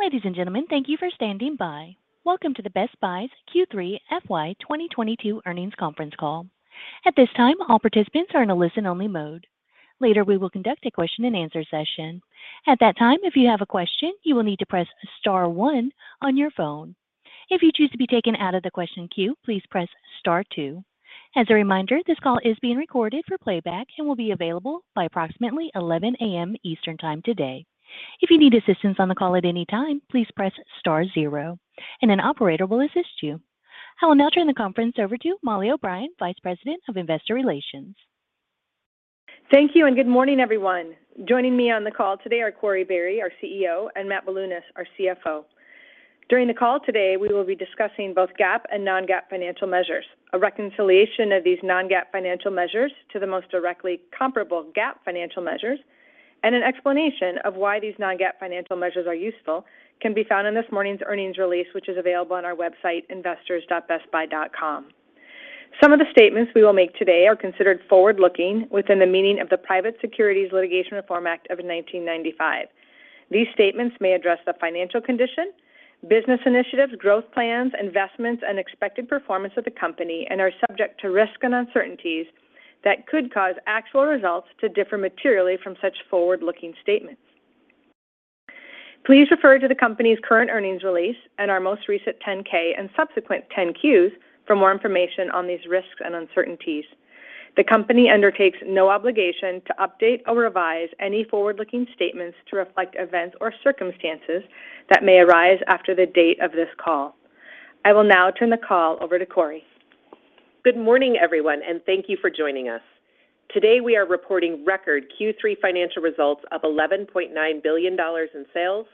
Ladies and gentlemen, thank you for standing by. Welcome to the Best Buy's Q3 FY 2022 earnings conference call. At this time, all participants are in a Listen-Only Mode. Later, we will conduct a question-and-answer session. At that time, if you have a question, you will need to press star one on your phone. If you choose to be taken out of the question queue, please press star 2. As a reminder, this call is being recorded for playback and will be available by approximately 11 A.M. Eastern time today. If you need assistance on the call at any time, please press star zero and an operator will assist you. I will now turn the conference over to Mollie O'Brien, Vice President of Investor Relations. Thank you and good morning, everyone. Joining me on the call today are Corie Barry, our CEO, and Matt Bilunas, our CFO. During the call today, we will be discussing both GAAP and Non-GAAP financial measures. A reconciliation of these Non-GAAP financial measures to the most directly comparable GAAP financial measures and an explanation of why these Non-GAAP financial measures are useful can be found in this morning's earnings release, which is available on our website, investors.bestbuy.com. Some of the statements we will make today are considered Forward-Looking within the meaning of the Private Securities Litigation Reform Act of 1995. These statements may address the financial condition, business initiatives, growth plans, investments, and expected performance of the company and are subject to risks and uncertainties that could cause actual results to differ materially from such Forward-Looking statements. Please refer to the company's current earnings release and our most recent 10-K and subsequent 10-Qs for more information on these risks and uncertainties. The company undertakes no obligation to update or revise any Forward-Looking statements to reflect events or circumstances that may arise after the date of this call. I will now turn the call over to Corie. Good morning, everyone, and thank you for joining us. Today, we are reporting record Q3 financial results of $11.9 billion in sales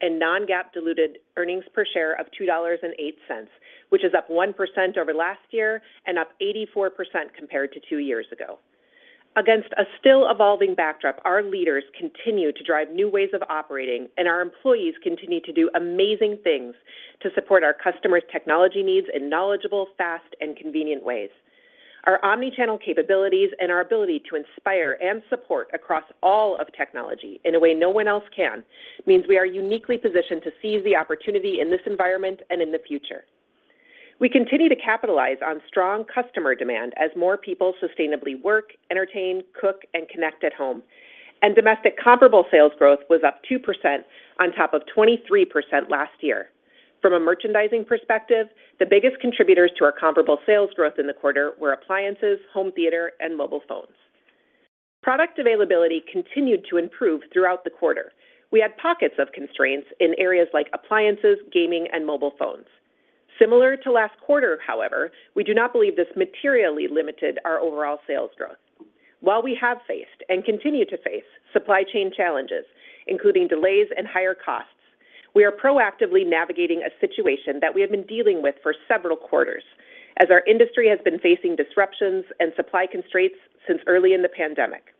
and Non-GAAP diluted earnings per share of $2.08, which is up 1% over last year and up 84% compared to 2 years ago. Against a still evolving backdrop, our leaders continue to drive new ways of operating, and our employees continue to do amazing things to support our customers' technology needs in knowledgeable, fast, and convenient ways. Our Omni-Channel capabilities and our ability to inspire and support across all of technology in a way no one else can means we are uniquely positioned to seize the opportunity in this environment and in the future. We continue to capitalize on strong customer demand as more people sustainably work, entertain, cook, and connect at home. Domestic comparable sales growth was up 2% on top of 23% last year. From a merchandising perspective, the biggest contributors to our comparable sales growth in the 1/4 were appliances, home theater, and mobile phones. Product availability continued to improve throughout the 1/4. We had pockets of constraints in areas like appliances, gaming, and mobile phones. Similar to last 1/4, however, we do not believe this materially limited our overall sales growth. While we have faced and continue to face supply chain challenges, including delays and higher costs, we are proactively navigating a situation that we have been dealing with for several quarters as our industry has been facing disruptions and supply constraints since early in the pandemic.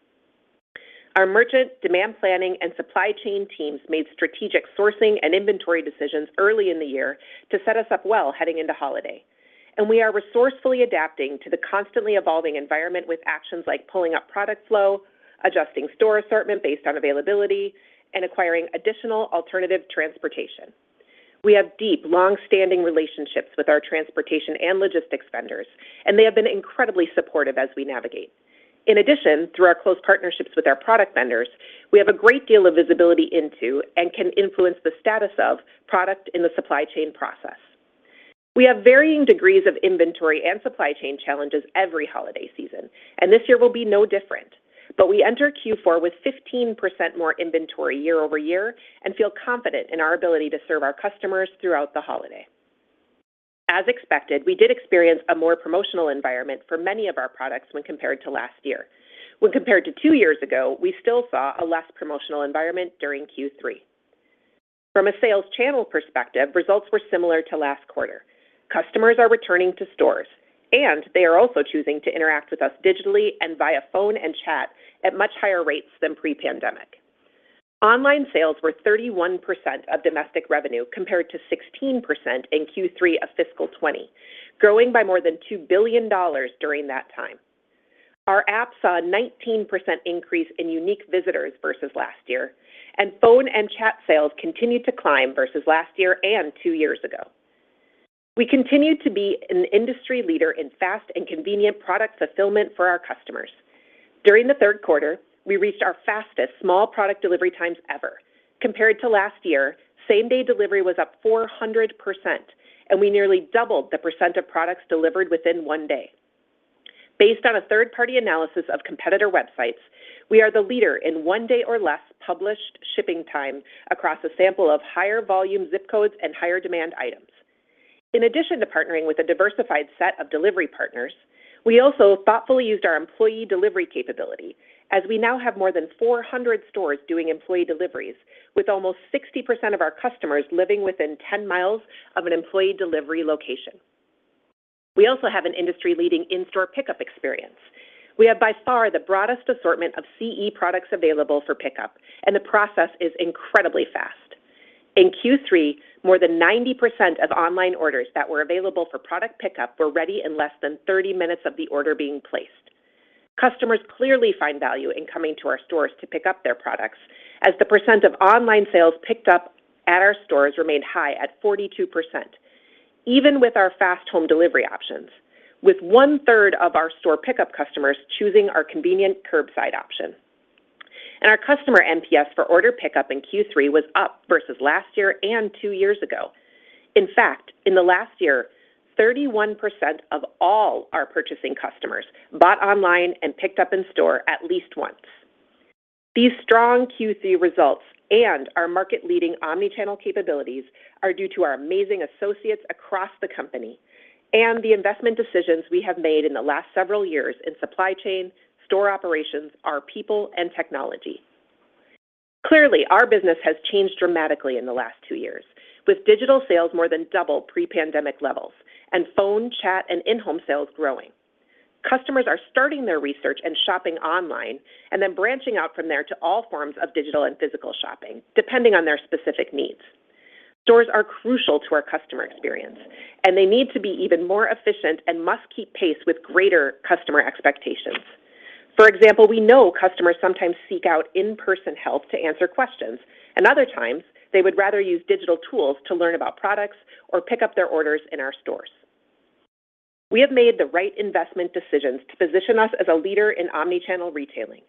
Our merchant demand planning and supply chain teams made strategic sourcing and inventory decisions early in the year to set us up well heading into holiday, and we are resourcefully adapting to the constantly evolving environment with actions like pulling up product flow, adjusting store assortment based on availability, and acquiring additional alternative transportation. We have deep, long-standing relationships with our transportation and logistics vendors, and they have been incredibly supportive as we navigate. In addition, through our close partnerships with our product vendors, we have a great deal of visibility into and can influence the status of product in the supply chain process. We have varying degrees of inventory and supply chain challenges every holiday season, and this year will be no different. We enter Q4 with 15% more inventory Year-Over-Year and feel confident in our ability to serve our customers throughout the holiday. As expected, we did experience a more promotional environment for many of our products when compared to last year. When compared to 2 years ago, we still saw a less promotional environment during Q3. From a sales channel perspective, results were similar to last 1/4. Customers are returning to stores, and they are also choosing to interact with us digitally and via phone and chat at much higher rates than Pre-Pandemic. Online sales were 31% of domestic revenue compared to 16% in Q3 of fiscal 2020, growing by more than $2 billion during that time. Our app saw a 19% increase in unique visitors versus last year, and phone and chat sales continued to climb versus last year and 2 years ago. We continue to be an industry leader in fast and convenient product fulfillment for our customers. During the 1/3 1/4, we reached our fastest small product delivery times ever. Compared to last year, Same-Day delivery was up 400%, and we nearly doubled the % of products delivered within one day. Based on a 1/3-party analysis of competitor websites, we are the leader in one-day or less published shipping time across a sample of higher volume zip codes and higher demand items. In addition to partnering with a diversified set of delivery partners, we also thoughtfully used our employee delivery capability as we now have more than 400 stores doing employee deliveries with almost 60% of our customers living within 10 miles of an employee delivery location. We also have an Industry-Leading In-Store pickup experience. We have by far the broadest assortment of CE products available for pickup, and the process is incredibly fast. In Q3, more than 90% of online orders that were available for product pickup were ready in less than 30 minutes of the order being placed. Customers clearly find value in coming to our stores to pick up their products as the percent of online sales picked up at our stores remained high at 42%, even with our fast home delivery options, with one-third of our store pickup customers choosing our convenient curbside option. Our customer NPS for order pickup in Q3 was up versus last year and 2 years ago. In fact, in the last year, 31% of all our purchasing customers bought online and picked up in store at least once. These strong Q3 results and our Market-Leading Omni-Channel capabilities are due to our amazing associates across the company and the investment decisions we have made in the last several years in supply chain, store operations, our people, and technology. Clearly, our business has changed dramatically in the last 2 years, with digital sales more than double Pre-Pandemic levels and phone, chat, and in-home sales growing. Customers are starting their research and shopping online and then branching out from there to all forms of digital and physical shopping, depending on their specific needs. Stores are crucial to our customer experience, and they need to be even more efficient and must keep pace with greater customer expectations. For example, we know customers sometimes seek out In-Person help to answer questions, and other times they would rather use digital tools to learn about products or pick up their orders in our stores. We have made the right investment decisions to position us as a leader in Omni-Channel retailing.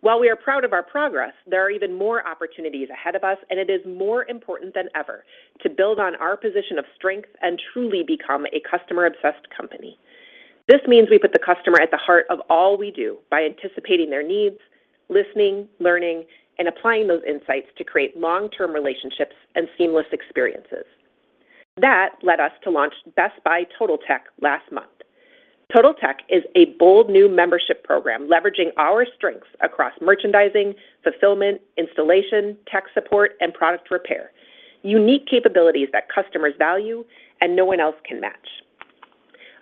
While we are proud of our progress, there are even more opportunities ahead of us, and it is more important than ever to build on our position of strength and truly become a Customer-Obsessed company. This means we put the customer at the heart of all we do by anticipating their needs, listening, learning, and applying those insights to create Long-Term relationships and seamless experiences. That led us to launch Best Buy Totaltech last month. Totaltech is a bold new membership program leveraging our strengths across merchandising, fulfillment, installation, tech support, and product repair, unique capabilities that customers value and no one else can match.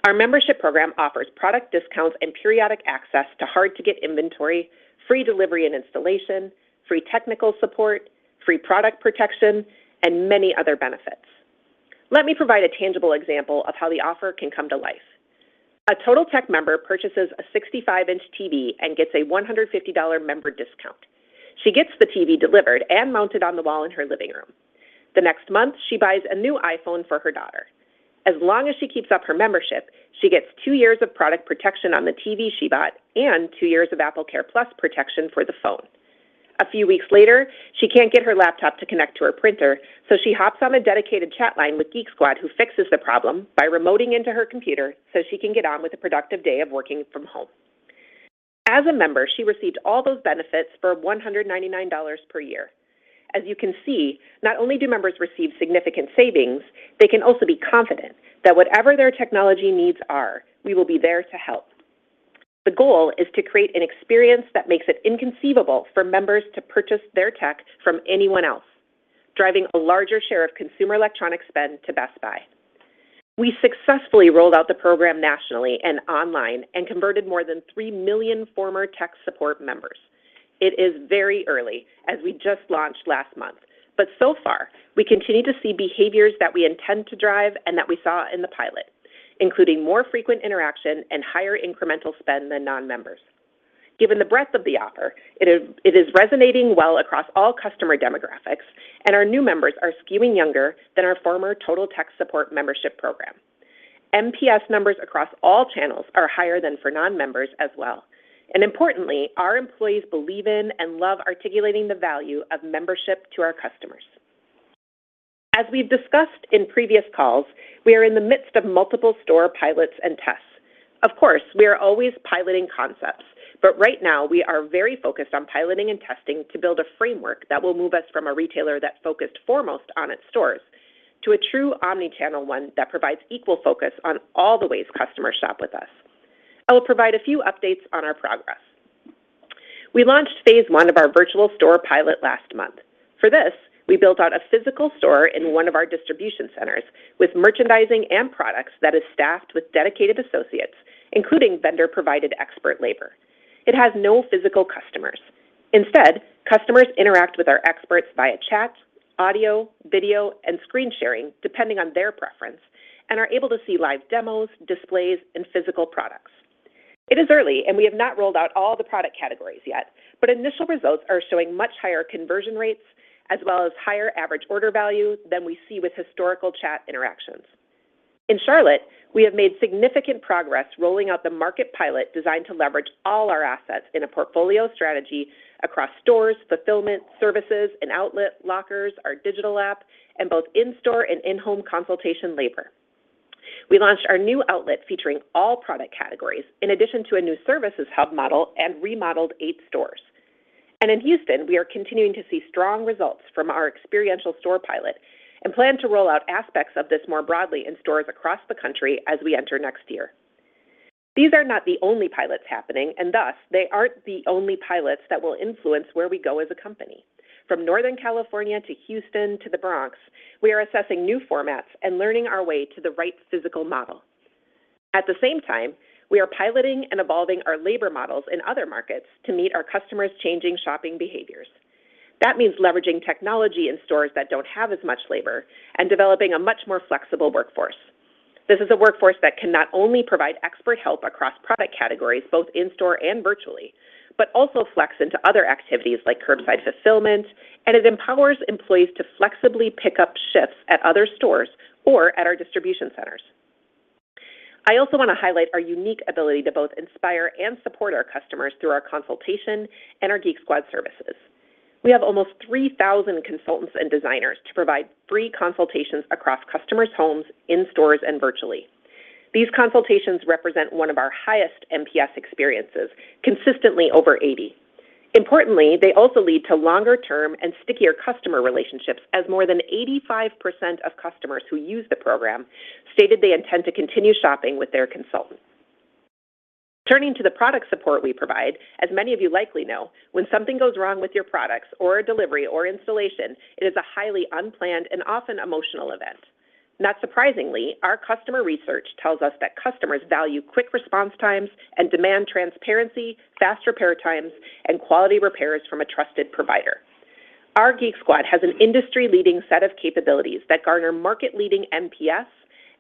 Our membership program offers product discounts and periodic access to Hard-To-Get inventory, free delivery and installation, free technical support, free product protection, and many other benefits. Let me provide a tangible example of how the offer can come to life. A Totaltech member purchases a 65-inch TV and gets a $150 member discount. She gets the TV delivered and mounted on the wall in her living room. The next month, she buys a new iPhone for her daughter. As long as she keeps up her membership, she gets 2 years of product protection on the TV she bought and 2 years of AppleCare+ plus protection for the phone. A few weeks later, she can't get her laptop to connect to her printer, so she hops on a dedicated chat line with Geek Squad, who fixes the problem by remoting into her computer so she can get on with a productive day of working from home. As a member, she received all those benefits for $199 per year. As you can see, not only do members receive significant savings, they can also be confident that whatever their technology needs are, we will be there to help. The goal is to create an experience that makes it inconceivable for members to purchase their tech from anyone else, driving a larger share of consumer electronics spend to Best Buy. We successfully rolled out the program nationally and online and converted more than 3 million former tech support members. It is very early as we just launched last month, but so far we continue to see behaviors that we intend to drive and that we saw in the pilot, including more frequent interaction and higher incremental spend than Non-Members. Given the breadth of the offer, it is resonating well across all customer demographics, and our new members are skewing younger than our former Total Tech Support membership program. NPS numbers across all channels are higher than for Non-members as well. Importantly, our employees believe in and love articulating the value of membership to our customers. As we've discussed in previous calls, we are in the midst of multiple store pilots and tests. Of course, we are always piloting concepts, but right now we are very focused on piloting and testing to build a framework that will move us from a retailer that focused foremost on its stores to a true Omni-Channel one that provides equal focus on all the ways customers shop with us. I will provide a few updates on our progress. We launched phase one of our virtual store pilot last month. For this, we built out a physical store in one of our distribution centers with merchandising and products that is staffed with dedicated associates, including vendor-provided expert labor. It has no physical customers. Instead, customers interact with our experts via chat, audio, video, and screen sharing, depending on their preference, and are able to see live demos, displays, and physical products. It is early, and we have not rolled out all the product categories yet, but initial results are showing much higher conversion rates as well as higher average order values than we see with historical chat interactions. In Charlotte, we have made significant progress rolling out the market pilot designed to leverage all our assets in a portfolio strategy across stores, fulfillment, services, and outlet, lockers, our digital app, and both In-Store and in-home consultation labor. We launched our new outlet featuring all product categories in addition to a new services hub model and remodeled eight stores. In Houston, we are continuing to see strong results from our experiential store pilot and plan to roll out aspects of this more broadly in stores across the country as we enter next year. These are not the only pilots happening, and thus, they aren't the only pilots that will influence where we go as a company. From Northern California to Houston to the Bronx, we are assessing new formats and learning our way to the right physical model. At the same time, we are piloting and evolving our labor models in other markets to meet our customers' changing shopping behaviors. That means leveraging technology in stores that don't have as much labor and developing a much more flexible workforce. This is a workforce that can not only provide expert help across product categories, both In-Store and virtually, but also flex into other activities like curbside fulfillment, and it empowers employees to flexibly pick up shifts at other stores or at our distribution centers. I also want to highlight our unique ability to both inspire and support our customers through our consultation and our Geek Squad services. We have almost 3,000 consultants and designers to provide free consultations across customers' homes, in stores, and virtually. These consultations represent one of our highest NPS experiences, consistently over 80. Importantly, they also lead to longer-term and stickier customer relationships as more than 85% of customers who use the program stated they intend to continue shopping with their consultants. Turning to the product support we provide, as many of you likely know, when something goes wrong with your products or a delivery or installation, it is a highly unplanned and often emotional event. Not surprisingly, our customer research tells us that customers value quick response times and demand transparency, fast repair times, and quality repairs from a trusted provider. Our Geek Squad has an Industry-Leading set of capabilities that garner Market-Leading NPS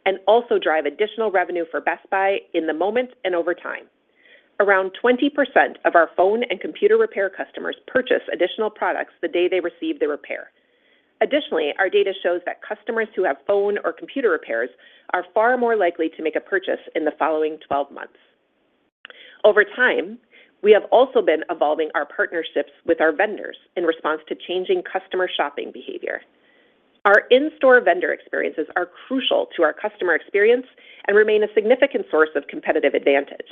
and also drive additional revenue for Best Buy in the moment and over time. Around 20% of our phone and computer repair customers purchase additional products the day they receive the repair. Additionally, our data shows that customers who have phone or computer repairs are far more likely to make a purchase in the following 12 months. Over time, we have also been evolving our partnerships with our vendors in response to changing customer shopping behavior. Our In-Store vendor experiences are crucial to our customer experience and remain a significant source of competitive advantage.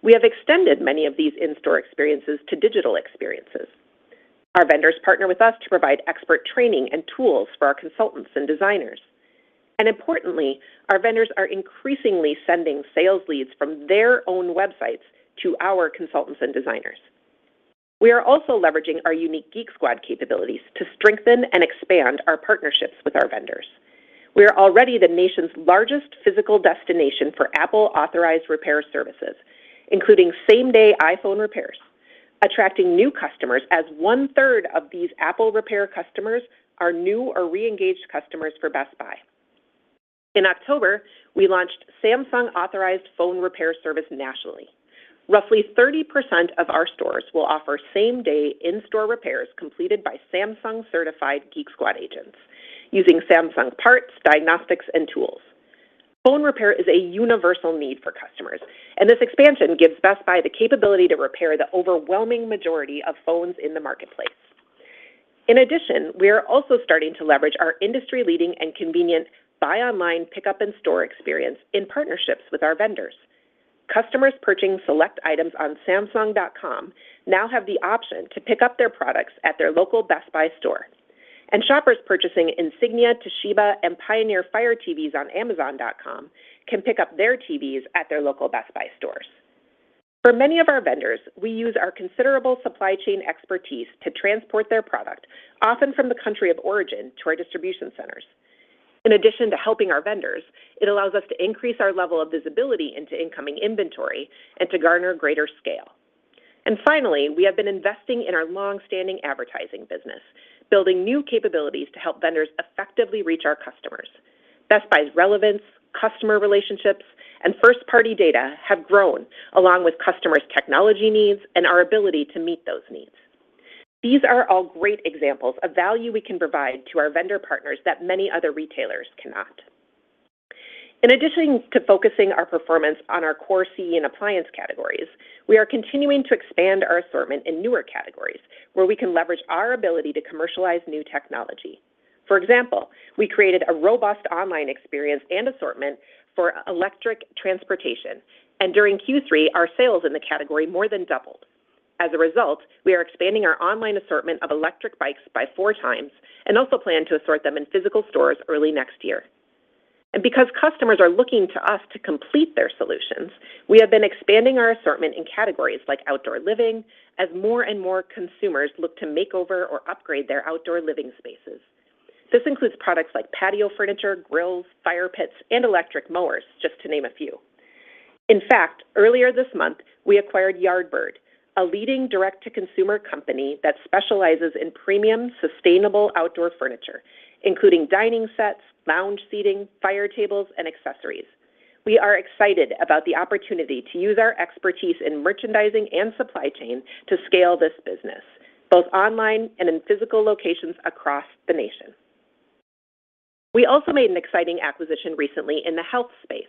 We have extended many of these In-Store experiences to digital experiences. Our vendors partner with us to provide expert training and tools for our consultants and designers. Importantly, our vendors are increasingly sending sales leads from their own websites to our consultants and designers. We are also leveraging our unique Geek Squad capabilities to strengthen and expand our partnerships with our vendors. We are already the nation's largest physical destination for Apple-authorized repair services, including Same-Day iPhone repairs, attracting new customers as one-third of these Apple repair customers are new or Re-Engaged customers for Best Buy. In October, we launched Samsung-Authorized phone repair service nationally. Roughly 30% of our stores will offer Same-Day In-Store repairs completed by Samsung-Certified Geek Squad agents using Samsung parts, diagnostics, and tools. Phone repair is a universal need for customers, and this expansion gives Best Buy the capability to repair the overwhelming majority of phones in the marketplace. In addition, we are also starting to leverage our Industry-Leading and convenient buy online pickup In-Store experience in partnerships with our vendors. Customers purchasing select items on samsung.com now have the option to pick up their products at their local Best Buy store. Shoppers purchasing Insignia, Toshiba, and Pioneer Fire TVs on amazon.com can pick up their TVs at their local Best Buy stores. For many of our vendors, we use our considerable supply chain expertise to transport their product, often from the country of origin, to our distribution centers. In addition to helping our vendors, it allows us to increase our level of visibility into incoming inventory and to garner greater scale. Finally, we have been investing in our long-standing advertising business, building new capabilities to help vendors effectively reach our customers. Best Buy's relevance, customer relationships, and first-party data have grown along with customers' technology needs and our ability to meet those needs. These are all great examples of value we can provide to our vendor partners that many other retailers cannot. In addition to focusing our performance on our core CE and appliance categories, we are continuing to expand our assortment in newer categories where we can leverage our ability to commercialize new technology. For example, we created a robust online experience and assortment for electric transportation, and during Q3, our sales in the category more than doubled. As a result, we are expanding our online assortment of electric bikes by four times and also plan to assort them in physical stores early next year. Because customers are looking to us to complete their solutions, we have been expanding our assortment in categories like outdoor living as more and more consumers look to make over or upgrade their outdoor living spaces. This includes products like patio furniture, grills, fire pits, and electric mowers, just to name a few. In fact, earlier this month, we acquired Yardbird, a leading direct-to-consumer company that specializes in premium, sustainable outdoor furniture, including dining sets, lounge seating, fire tables, and accessories. We are excited about the opportunity to use our expertise in merchandising and supply chain to scale this business, both online and in physical locations across the nation. We also made an exciting acquisition recently in the health space.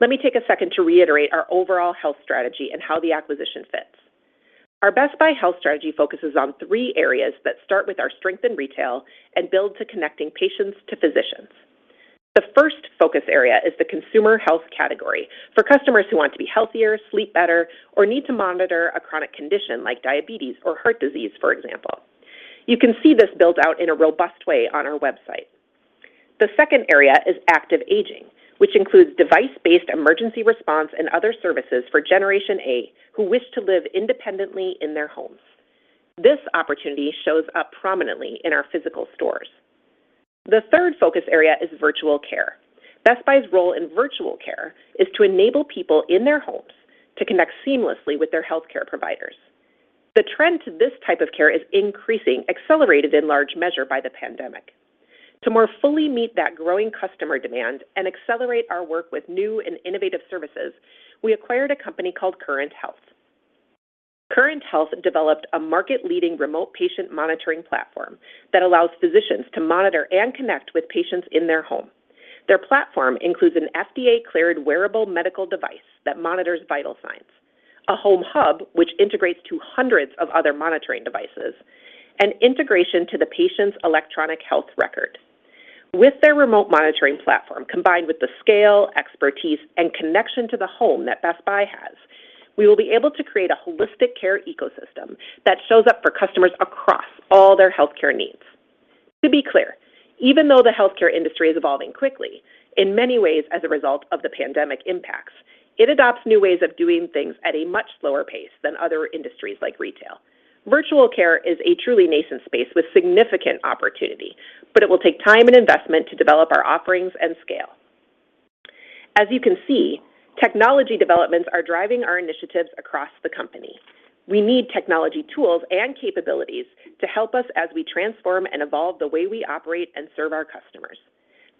Let me take a second to reiterate our overall health strategy and how the acquisition fits. Our Best Buy Health strategy focuses on 3 areas that start with our strength in retail and build to connecting patients to physicians. The first focus area is the consumer health category for customers who want to be healthier, sleep better, or need to monitor a chronic condition like diabetes or heart disease, for example. You can see this built out in a robust way on our website. The second area is active aging, which includes device-based emergency response and other services for uncertain who wish to live independently in their homes. This opportunity shows up prominently in our physical stores. The 1/3 focus area is virtual care. Best Buy's role in virtual care is to enable people in their homes to connect seamlessly with their healthcare providers. The trend to this type of care is increasing, accelerated in large measure by the pandemic. To more fully meet that growing customer demand and accelerate our work with new and innovative services, we acquired a company called Current Health. Current Health developed a Market-Leading remote patient monitoring platform that allows physicians to monitor and connect with patients in their home. Their platform includes an FDA-cleared wearable medical device that monitors vital signs, a home hub which integrates to hundreds of other monitoring devices, and integration to the patient's electronic health record. With their remote monitoring platform, combined with the scale, expertise, and connection to the home that Best Buy has, we will be able to create a holistic care ecosystem that shows up for customers across all their healthcare needs. To be clear, even though the healthcare industry is evolving quickly, in many ways as a result of the pandemic impacts, it adopts new ways of doing things at a much slower pace than other industries like retail. Virtual care is a truly nascent space with significant opportunity, but it will take time and investment to develop our offerings and scale. As you can see, technology developments are driving our initiatives across the company. We need technology tools and capabilities to help us as we transform and evolve the way we operate and serve our customers.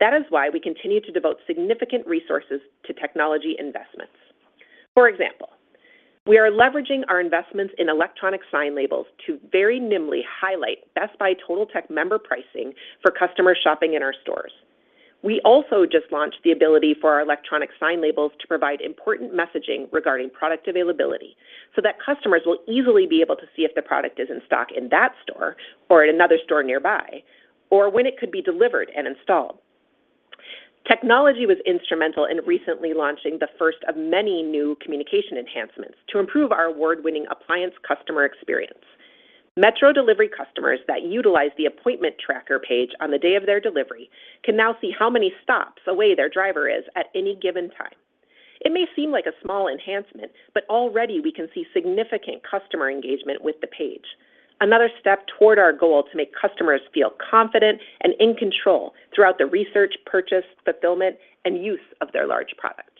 That is why we continue to devote significant resources to technology investments. For example, we are leveraging our investments in electronic shelf labels to very nimbly highlight Best Buy Totaltech member pricing for customer shopping in our stores. We also just launched the ability for our electronic shelf labels to provide important messaging regarding product availability so that customers will easily be able to see if the product is in stock in that store or at another store nearby, or when it could be delivered and installed. Technology was instrumental in recently launching the first of many new communication enhancements to improve our award-winning appliance customer experience. Metro Delivery customers that utilize the appointment tracker page on the day of their delivery can now see how many stops away their driver is at any given time. It may seem like a small enhancement, but already we can see significant customer engagement with the page. Another step toward our goal to make customers feel confident and in control throughout the research, purchase, fulfillment, and use of their large product.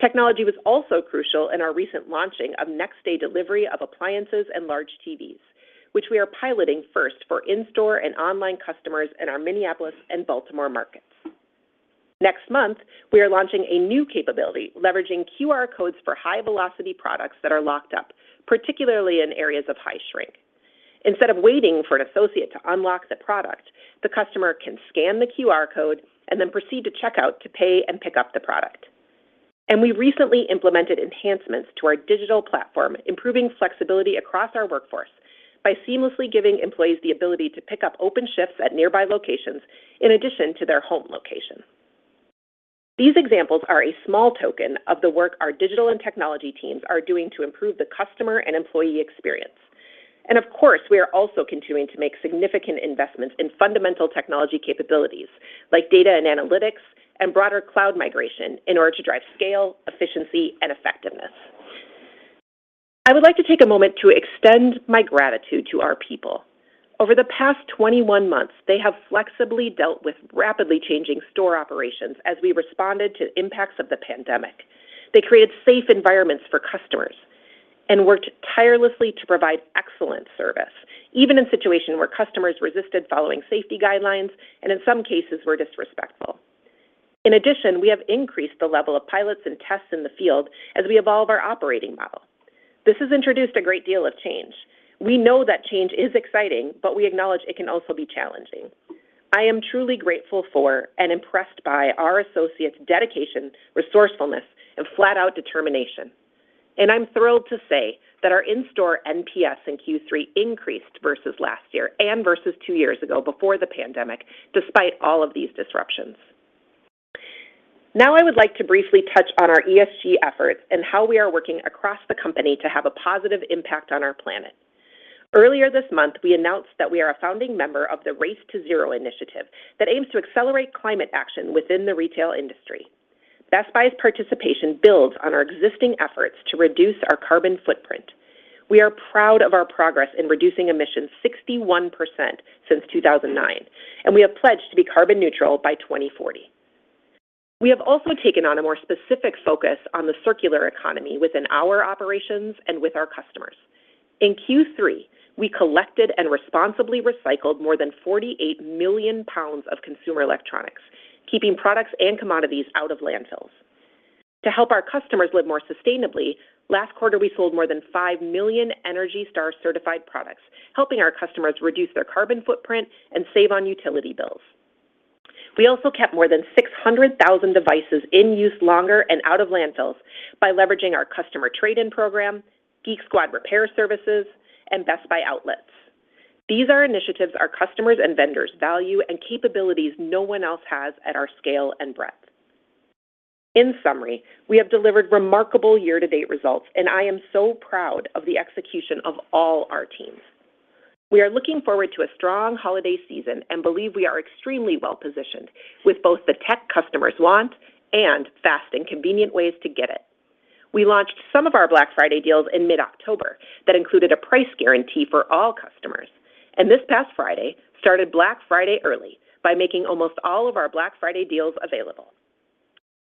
Technology was also crucial in our recent launching of Next-Day delivery of appliances and large TVs, which we are piloting first for In-Store and online customers in our Minneapolis and Baltimore markets. Next month, we are launching a new capability leveraging QR codes for high-velocity products that are locked up, particularly in areas of high shrink. Instead of waiting for an associate to unlock the product, the customer can scan the QR code and then proceed to checkout to pay and pick up the product. We recently implemented enhancements to our digital platform, improving flexibility across our workforce by seamlessly giving employees the ability to pick up open shifts at nearby locations in addition to their home location. These examples are a small token of the work our digital and technology teams are doing to improve the customer and employee experience. Of course, we are also continuing to make significant investments in fundamental technology capabilities like data and analytics and broader cloud migration in order to drive scale, efficiency, and effectiveness. I would like to take a moment to extend my gratitude to our people. Over the past 21 months, they have flexibly dealt with rapidly changing store operations as we responded to impacts of the pandemic. They created safe environments for customers and worked tirelessly to provide excellent service, even in situation where customers resisted following safety guidelines and in some cases were disrespectful. In addition, we have increased the level of pilots and tests in the field as we evolve our operating model. This has introduced a great deal of change. We know that change is exciting, but we acknowledge it can also be challenging. I am truly grateful for and impressed by our associates' dedication, resourcefulness, and flat-out determination, and I'm thrilled to say that our In-Store NPS in Q3 increased versus last year and versus 2 years ago before the pandemic, despite all of these disruptions. Now I would like to briefly touch on our ESG efforts and how we are working across the company to have a positive impact on our planet. Earlier this month, we announced that we are a founding member of the Race to Zero initiative that aims to accelerate climate action within the retail industry. Best Buy's participation builds on our existing efforts to reduce our carbon footprint. We are proud of our progress in reducing emissions 61% since 2009, and we have pledged to be carbon neutral by 2040. We have also taken on a more specific focus on the circular economy within our operations and with our customers. In Q3, we collected and responsibly recycled more than 48 million pounds of consumer electronics, keeping products and commodities out of landfills. To help our customers live more sustainably, last 1/4 we sold more than 5 million ENERGY STAR-certified products, helping our customers reduce their carbon footprint and save on utility bills. We also kept more than 600,000 devices in use longer and out of landfills by leveraging our customer trade-in program, Geek Squad repair services, and Best Buy outlets. These are initiatives our customers and vendors value and capabilities no one else has at our scale and breadth. In summary, we have delivered remarkable Year-To-Date results, and I am so proud of the execution of all our teams. We are looking forward to a strong holiday season and believe we are extremely well-positioned with both the tech customers want and fast and convenient ways to get it. We launched some of our Black Friday deals in Mid-October that included a price guarantee for all customers, and this past Friday we started Black Friday early by making almost all of our Black Friday deals available.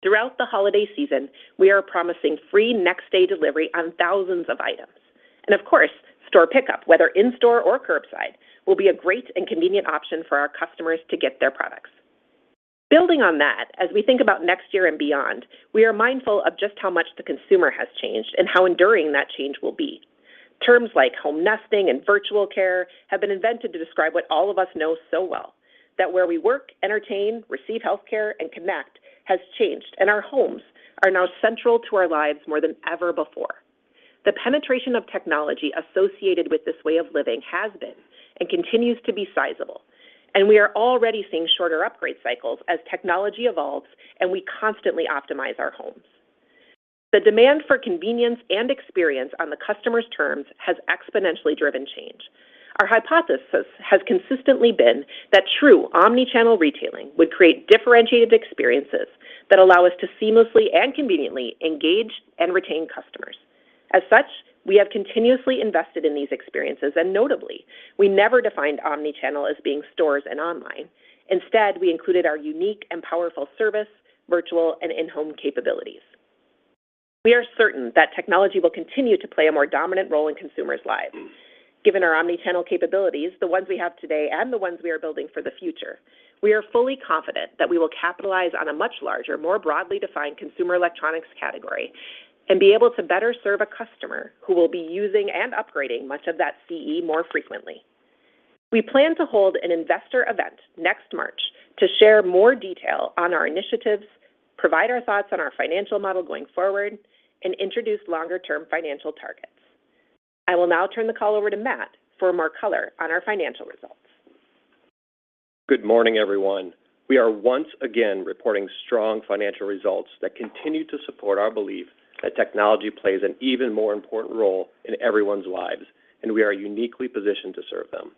Throughout the holiday season, we are promising free Next-Day delivery on thousands of items, and of course, store pickup, whether In-Store or curbside, will be a great and convenient option for our customers to get their products. Building on that, as we think about next year and beyond, we are mindful of just how much the consumer has changed and how enduring that change will be. Terms like home nesting and virtual care have been invented to describe what all of us know so well, that where we work, entertain, receive healthcare, and connect has changed, and our homes are now central to our lives more than ever before. The penetration of technology associated with this way of living has been and continues to be sizable, and we are already seeing shorter upgrade cycles as technology evolves and we constantly optimize our homes. The demand for convenience and experience on the customer's terms has exponentially driven change. Our hypothesis has consistently been that true Omni-Channel retailing would create differentiated experiences that allow us to seamlessly and conveniently engage and retain customers. As such, we have continuously invested in these experiences, and notably, we never defined Omni-Channel as being stores and online. Instead, we included our unique and powerful service, virtual and in-home capabilities. We are certain that technology will continue to play a more dominant role in consumers' lives. Given our Omni-Channel capabilities, the ones we have today and the ones we are building for the future, we are fully confident that we will capitalize on a much larger, more broadly defined consumer electronics category and be able to better serve a customer who will be using and upgrading much of that CE more frequently. We plan to hold an investor event next March to share more detail on our initiatives, provide our thoughts on our financial model going forward, and introduce longer-term financial targets. I will now turn the call over to Matt for more color on our financial results. Good morning, everyone. We are once again reporting strong financial results that continue to support our belief that technology plays an even more important role in everyone's lives, and we are uniquely positioned to serve them.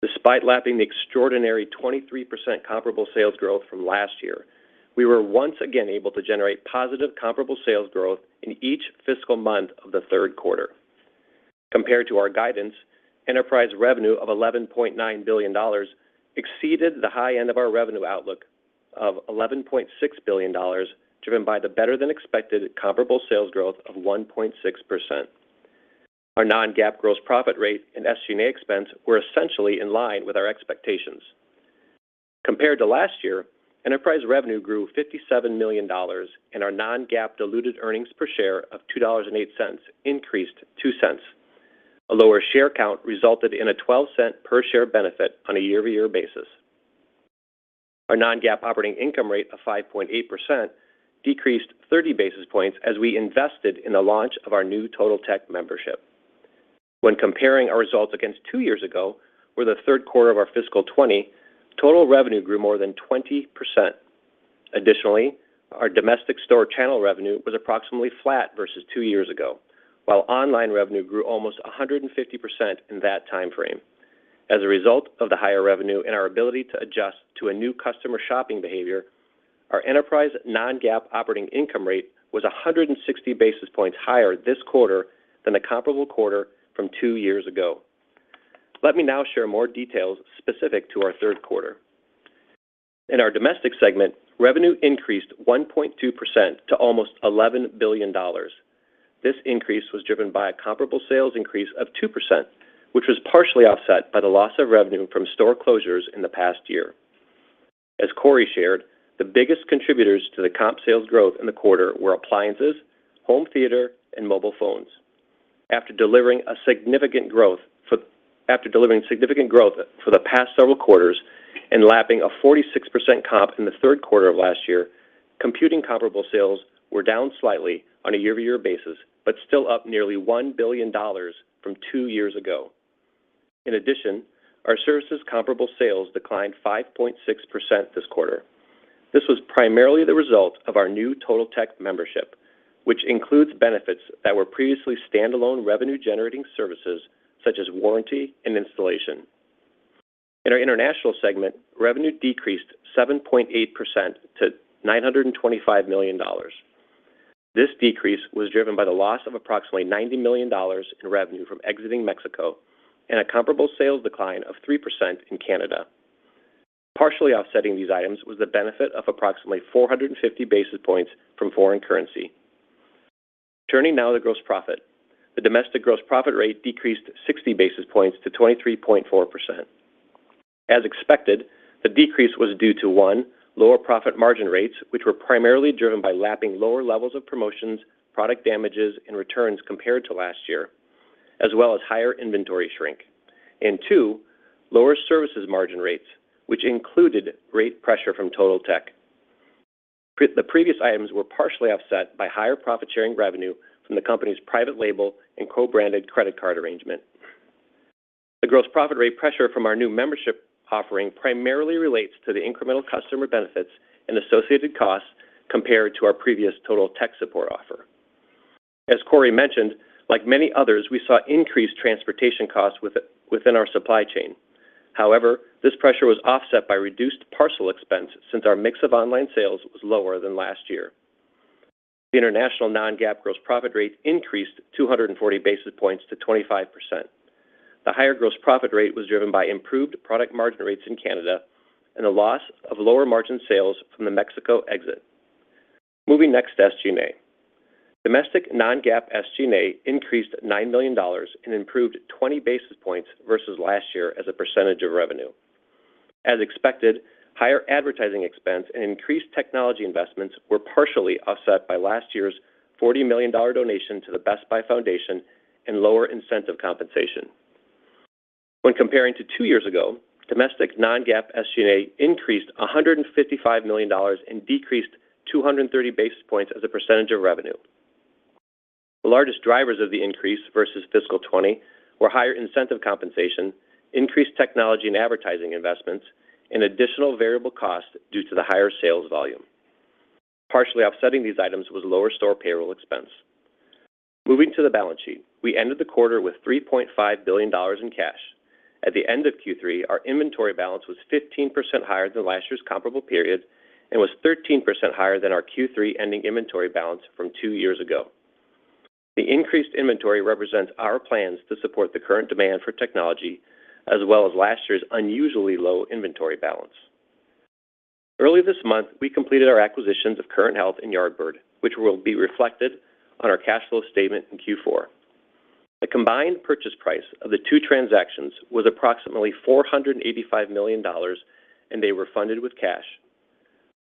Despite lapping the extraordinary 23% comparable sales growth from last year, we were once again able to generate positive comparable sales growth in each fiscal month of the 1/3 1/4. Compared to our guidance, enterprise revenue of $11.9 billion exceeded the high end of our revenue outlook of $11.6 billion, driven by the better-than-expected comparable sales growth of 1.6%. Our Non-GAAP gross profit rate and SG&A expense were essentially in line with our expectations. Compared to last year, enterprise revenue grew $57 million and our Non-GAAP diluted earnings per share of $2.08 increased 2 cents. A lower share count resulted in a $0.12 per share benefit on a Year-Over-Year basis. Our Non-GAAP operating income rate of 5.8% decreased 30 basis points as we invested in the launch of our new Totaltech membership. When comparing our results against 2 years ago or the 1/3 1/4 of our fiscal 2020, total revenue grew more than 20%. Additionally, our domestic store channel revenue was approximately flat versus 2 years ago, while online revenue grew almost 150% in that timeframe. As a result of the higher revenue and our ability to adjust to a new customer shopping behavior, our enterprise Non-GAAP operating income rate was 160 basis points higher this 1/4 than the comparable 1/4 from 2 years ago. Let me now share more details specific to our 1/3 1/4. In our domestic segment, revenue increased 1.2% to almost $11 billion. This increase was driven by a comparable sales increase of 2%, which was partially offset by the loss of revenue from store closures in the past year. As Corie shared, the biggest contributors to the comp sales growth in the 1/4 were appliances, home theater, and mobile phones. After delivering significant growth for the past several quarters and lapping a 46% comp in the 1/3 1/4 of last year, computing comparable sales were down slightly on a Year-Over-Year basis, but still up nearly $1 billion from 2 years ago. In addition, our services comparable sales declined 5.6% this 1/4. This was primarily the result of our new Totaltech membership, which includes benefits that were previously standalone revenue-generating services such as warranty and installation. In our international segment, revenue decreased 7.8% to $925 million. This decrease was driven by the loss of approximately $90 million in revenue from exiting Mexico and a comparable sales decline of 3% in Canada. Partially offsetting these items was the benefit of approximately 450 basis points from foreign currency. Turning now to gross profit. The domestic gross profit rate decreased 60 basis points to 23.4%. As expected, the decrease was due to, one, lower profit margin rates, which were primarily driven by lapping lower levels of promotions, product damages, and returns compared to last year, as well as higher inventory shrink, and 2, lower services margin rates, which included rate pressure from Totaltech. The previous items were partially offset by higher profit sharing revenue from the company's private label and co-branded credit card arrangement. The gross profit rate pressure from our new membership offering primarily relates to the incremental customer benefits and associated costs compared to our previous Total Tech Support offer. As Corie mentioned, like many others, we saw increased transportation costs within our supply chain. However, this pressure was offset by reduced parcel expense since our mix of online sales was lower than last year. The international Non-GAAP gross profit rate increased 240 basis points to 25%. The higher gross profit rate was driven by improved product margin rates in Canada and a loss of lower margin sales from the Mexico exit. Moving next to SG&A. Domestic Non-GAAP SG&A increased $9 million and improved 20 basis points versus last year as a percentage of revenue. As expected, higher advertising expense and increased technology investments were partially offset by last year's $40 million donation to the Best Buy Foundation and lower incentive compensation. When comparing to 2 years ago, domestic Non-GAAP SG&A increased $155 million and decreased 230 basis points as a percentage of revenue. The largest drivers of the increase versus fiscal 2020 were higher incentive compensation, increased technology and advertising investments, and additional variable costs due to the higher sales volume. Partially offsetting these items was lower store payroll expense. Moving to the balance sheet, we ended the 1/4 with $3.5 billion in cash. At the end of Q3, our inventory balance was 15% higher than last year's comparable period and was 13% higher than our Q3 ending inventory balance from 2 years ago. The increased inventory represents our plans to support the current demand for technology as well as last year's unusually low inventory balance. Early this month, we completed our acquisitions of Current Health and Yardbird, which will be reflected on our cash flow statement in Q4. The combined purchase price of the 2 transactions was approximately $485 million, and they were funded with cash.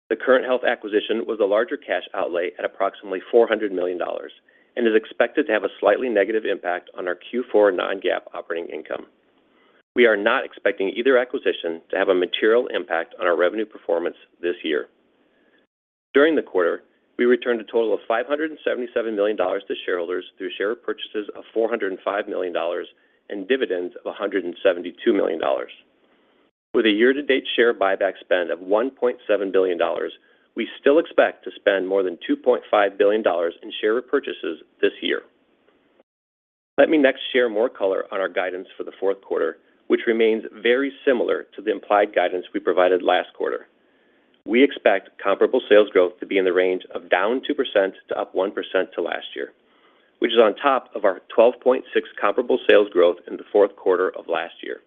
The Current Health acquisition was a larger cash outlay at approximately $400 million and is expected to have a slightly negative impact on our Q4 Non-GAAP operating income. We are not expecting either acquisition to have a material impact on our revenue performance this year. During the 1/4, we returned a total of $577 million to shareholders through share purchases of $405 million and dividends of $172 million. With a Year-To-Date share buyback spend of $1.7 billion, we still expect to spend more than $2.5 billion in share repurchases this year. Let me next share more color on our guidance for the fourth 1/4, which remains very similar to the implied guidance we provided last 1/4. We expect comparable sales growth to be in the range of down 2% to up 1% to last year, which is on top of our 12.6% comparable sales growth in the fourth 1/4 of last year.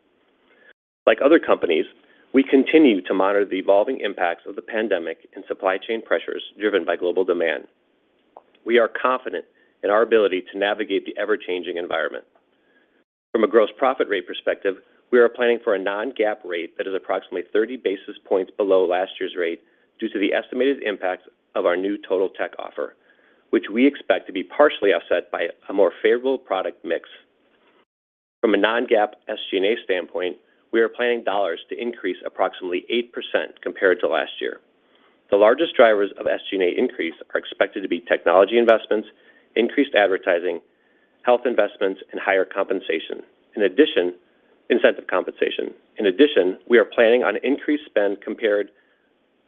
Like other companies, we continue to monitor the evolving impacts of the pandemic and supply chain pressures driven by global demand. We are confident in our ability to navigate the ever-changing environment. From a gross profit rate perspective, we are planning for a Non-GAAP rate that is approximately 30 basis points below last year's rate due to the estimated impacts of our new Totaltech offer, which we expect to be partially offset by a more favorable product mix. From a Non-GAAP SG&A standpoint, we are planning dollars to increase approximately 8% compared to last year. The largest drivers of SG&A increase are expected to be technology investments, increased advertising, health investments, and higher compensation. In addition, we are planning on increased spend compared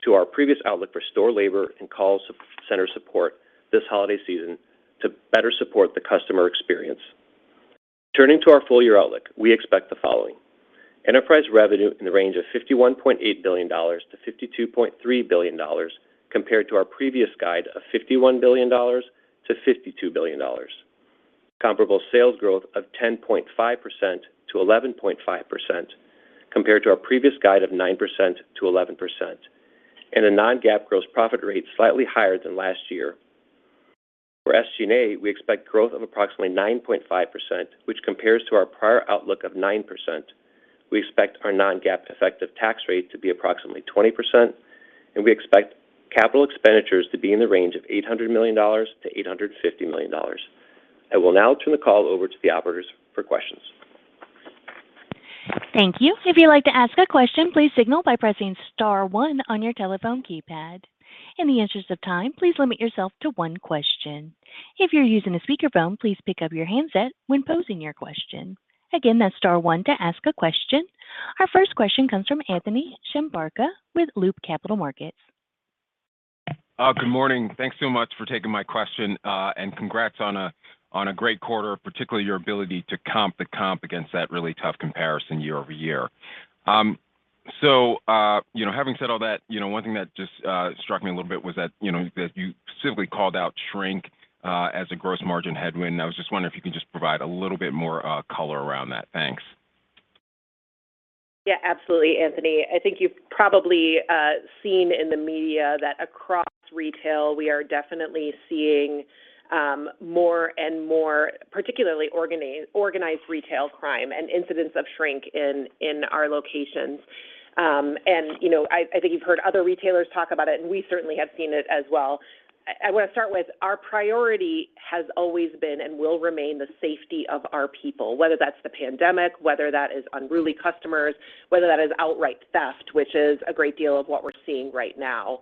to our previous outlook for store labor and call center support this holiday season to better support the customer experience. Turning to our full-year outlook, we expect the following. Enterprise revenue in the range of $51.8 billion-$52.3 billion compared to our previous guide of $51 billion-$52 billion. Comparable sales growth of 10.5%-11.5% compared to our previous guide of 9%-11%. A Non-GAAP gross profit rate slightly higher than last year. For SG&A, we expect growth of approximately 9.5%, which compares to our prior outlook of 9%. We expect our Non-GAAP effective tax rate to be approximately 20%, and we expect capital expenditures to be in the range of $800 million-$850 million. I will now turn the call over to the operators for questions. Thank you. If you'd like to ask a question, please signal by pressing star one on your telephone keypad. In the interest of time, please limit yourself to one question. If you're using a speakerphone, please pick up your handset when posing your question. Again, that's star one to ask a question. Our first question comes from Anthony Chukumba with Loop Capital Markets. Good morning. Thanks so much for taking my question. Congrats on a great 1/4, particularly your ability to comp the comp against that really tough comparison Year-Over-Year. Having said all that, you know, one thing that just struck me a little bit was that, you know, you simply called out shrink as a gross margin headwind. I was just wondering if you could just provide a little bit more color around that. Thanks. Yeah, absolutely, Anthony. I think you've probably seen in the media that across retail, we are definitely seeing more and more particularly organized retail crime and incidents of shrink in our locations. You know, I think you've heard other retailers talk about it, and we certainly have seen it as well. I wanna start with our priority has always been and will remain the safety of our people, whether that's the pandemic, whether that is unruly customers, whether that is outright theft, which is a great deal of what we're seeing right now.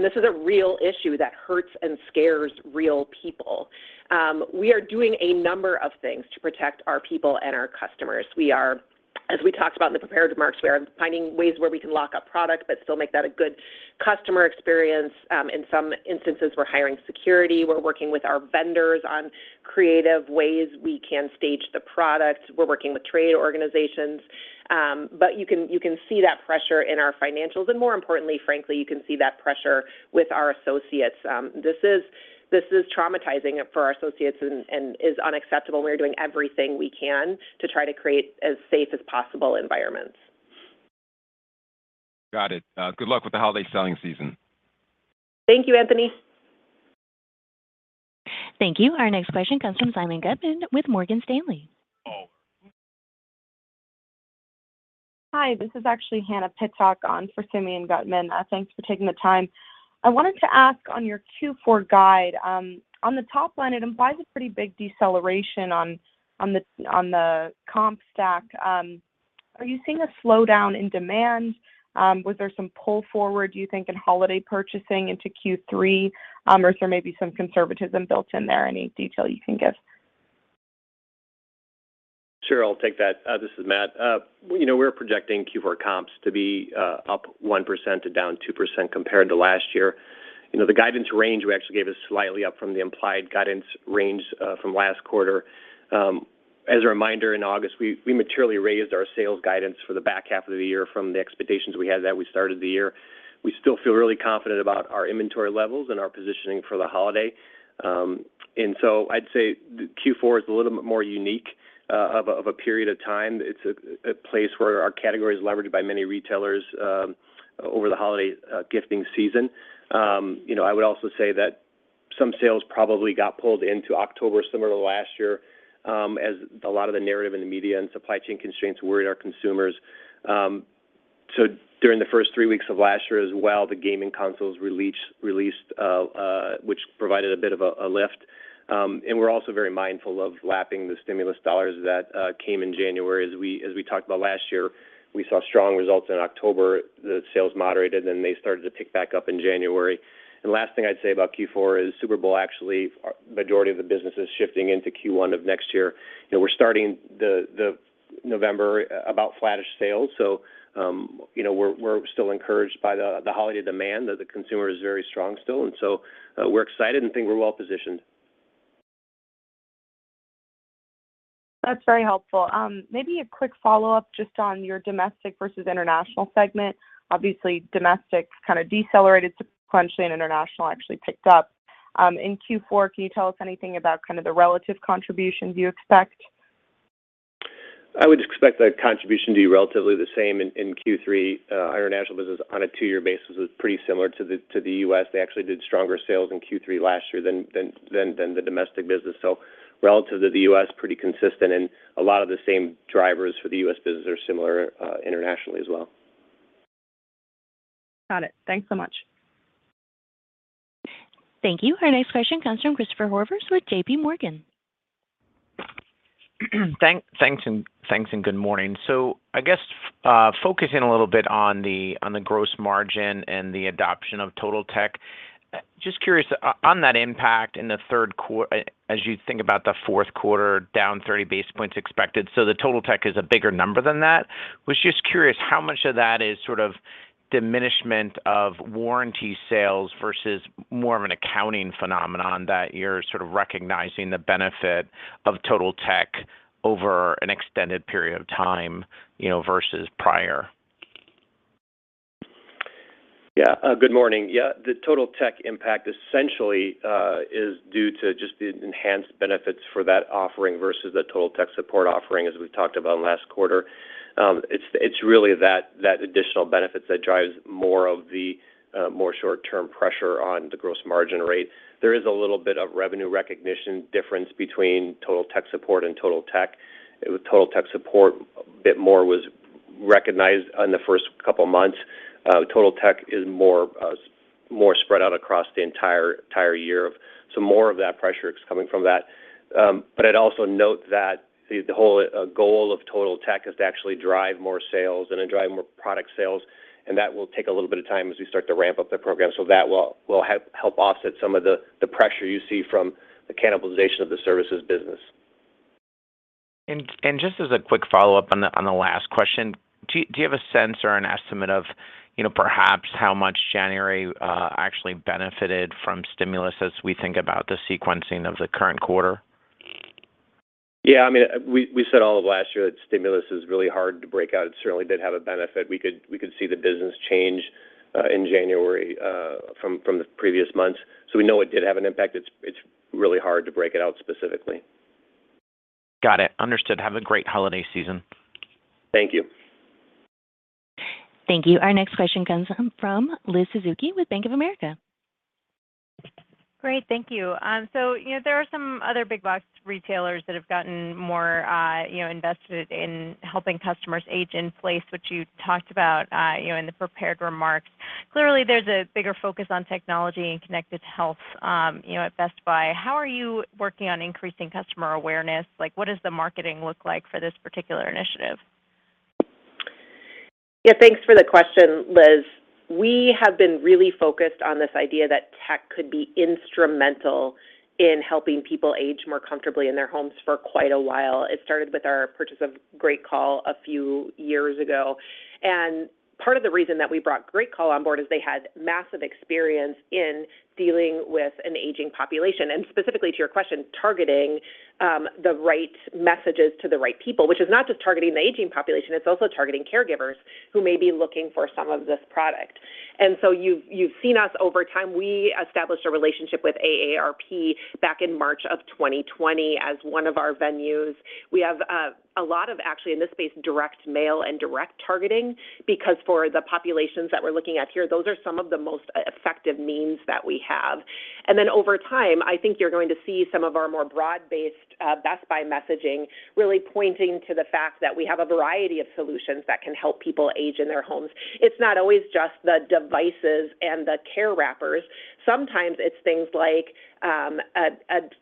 This is a real issue that hurts and scares real people. We are doing a number of things to protect our people and our customers. We are As we talked about in the prepared remarks, we are finding ways where we can lock up product but still make that a good customer experience. In some instances, we're hiring security. We're working with our vendors on creative ways we can stage the product. We're working with trade organizations. You can see that pressure in our financials and more importantly, frankly, you can see that pressure with our associates. This is traumatizing for our associates and is unacceptable. We're doing everything we can to try to create as safe as possible environments. Got it. Good luck with the holiday selling season. Thank you, Anthony. Thank you. Our next question comes from Simeon Gutman with Morgan Stanley. Hi, this is actually Hannah Pittock on for Simeon Gutman. Thanks for taking the time. I wanted to ask on your Q4 guide. On the top line, it implies a pretty big deceleration on the comp stack. Are you seeing a slowdown in demand? Was there some pull forward, do you think, in holiday purchasing into Q3? Or is there maybe some conservatism built in there? Any detail you can give? Sure. I'll take that. This is Matt. You know, we're projecting Q4 comps to be 1% to -2% compared to last year. You know, the guidance range we actually gave is slightly up from the implied guidance range from last 1/4. As a reminder, in August, we materially raised our sales guidance for the back 1/2 of the year from the expectations we had that we started the year. We still feel really confident about our inventory levels and our positioning for the holiday. I'd say Q4 is a little bit more unique of a period of time. It's a place where our category is leveraged by many retailers over the holiday gifting season. You know, I would also say that some sales probably got pulled into October similar to last year, as a lot of the narrative in the media and supply chain constraints worried our consumers. During the first 3 weeks of last year as well, the gaming consoles released, which provided a bit of a lift. We're also very mindful of lapping the stimulus dollars that came in January. As we talked about last year, we saw strong results in October. The sales moderated, then they started to pick back up in January. Last thing I'd say about Q4 is Super Bowl actually, majority of the business is shifting into Q1 of next year. You know, we're starting the November about flattish sales. You know, we're still encouraged by the holiday demand, that the consumer is very strong still. We're excited and think we're well-positioned. That's very helpful. Maybe a quick Follow-Up just on your domestic versus international segment. Obviously, domestic kind of decelerated sequentially, and international actually picked up. In Q4, can you tell us anything about kind of the relative contributions you expect? I would expect the contribution to be relatively the same in Q3. Our international business on a 2-year basis is pretty similar to the U.S. They actually did stronger sales in Q3 last year than the domestic business. Relative to the U.S., pretty consistent. A lot of the same drivers for the U.S. business are similar internationally as well. Got it. Thanks so much. Thank you. Our next question comes from Christopher Horvers with J.P. Morgan. Thanks and good morning. I guess focusing a little bit on the gross margin and the adoption of Totaltech, just curious on that impact in the 1/3 1/4 as you think about the fourth 1/4 down 30 basis points expected, the Totaltech is a bigger number than that. Just curious how much of that is sort of diminishment of warranty sales versus more of an accounting phenomenon that you're sort of recognizing the benefit of Totaltech over an extended period of time, you know, versus prior? Good morning. The Totaltech impact essentially is due to just the enhanced benefits for that offering versus the Total Tech Support offering, as we've talked about last 1/4. It's really that additional benefits that drives more of the more short-term pressure on the gross margin rate. There is a little bit of revenue recognition difference between Total Tech Support and Totaltech. With Total Tech Support, a bit more was recognized on the first couple of months. Totaltech is more spread out across the entire year. More of that pressure is coming from that. I'd also note that the whole goal of Totaltech is to actually drive more sales and then drive more product sales, and that will take a little bit of time as we start to ramp up the program. That will help offset some of the pressure you see from the cannibalization of the services business. Just as a quick Follow-Up on the last question. Do you have a sense or an estimate of, you know, perhaps how much January actually benefited from stimulus as we think about the sequencing of the current 1/4? Yeah. I mean, we said all of last year that stimulus is really hard to break out. It certainly did have a benefit. We could see the business change in January from the previous months. We know it did have an impact. It's really hard to break it out specifically. Got it. Understood. Have a great holiday season. Thank you. Thank you. Our next question comes from Liz Suzuki with Bank of America. Great. Thank you. You know, there are some other big box retailers that have gotten more, you know, invested in helping customers age in place, which you talked about, you know, in the prepared remarks. Clearly, there's a bigger focus on technology and connected health, you know, at Best Buy. How are you working on increasing customer awareness? Like, what does the marketing look like for this particular initiative? Yeah, thanks for the question, Liz. We have been really focused on this idea that tech could be instrumental in helping people age more comfortably in their homes for quite a while. It started with our purchase of GreatCall a few years ago. Part of the reason that we brought GreatCall on board is they had massive experience in dealing with an aging population, and specifically to your question, targeting the right messages to the right people, which is not just targeting the aging population, it's also targeting caregivers who may be looking for some of this product. You've seen us over time. We established a relationship with AARP back in March of 2020 as one of our venues. We have a lot of, actually, in this space, direct mail and direct targeting because for the populations that we're looking at here, those are some of the most effective means that we have. Then over time, I think you're going to see some of our more broad-based Best Buy messaging really pointing to the fact that we have a variety of solutions that can help people age in their homes. It's not always just the devices and the care wrappers. Sometimes it's things like a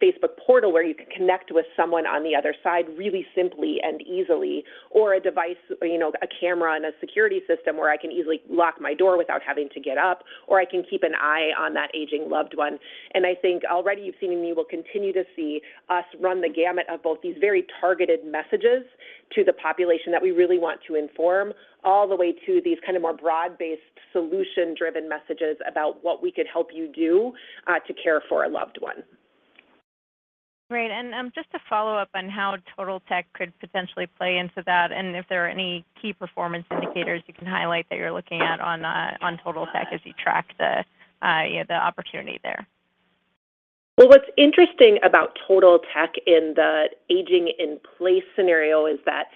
Facebook Portal where you can connect with someone on the other side really simply and easily, or a device, you know, a camera and a security system where I can easily lock my door without having to get up, or I can keep an eye on that aging loved one. I think already you've seen, and you will continue to see us run the gamut of both these very targeted messages to the population that we really want to inform all the way to these kind of more broad-based, solution-driven messages about what we could help you do to care for a loved one. Great. Just to follow up on how Totaltech could potentially play into that and if there are any key performance indicators you can highlight that you're looking at on Totaltech as you track you know, the opportunity there. Well, what's interesting about Totaltech in the aging in place scenario is that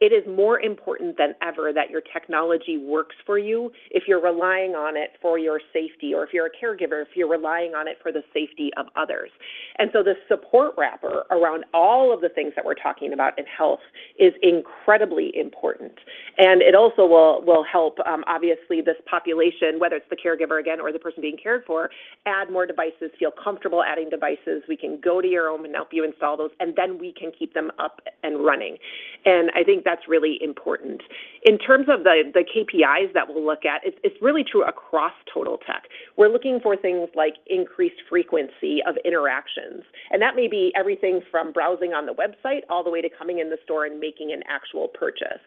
it is more important than ever that your technology works for you if you're relying on it for your safety or if you're a caregiver, if you're relying on it for the safety of others. The support wrapper around all of the things that we're talking about in health is incredibly important. It also will help obviously this population, whether it's the caregiver again or the person being cared for, add more devices, feel comfortable adding devices. We can go to your home and help you install those, and then we can keep them up and running. I think that's really important. In terms of the KPIs that we'll look at, it's really true across Totaltech. We're looking for things like increased frequency of interactions, and that may be everything from browsing on the website all the way to coming in the store and making an actual purchase.